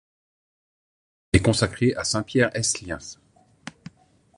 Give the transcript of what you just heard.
L'église est consacrée à Saint-Pierre-ès-liens.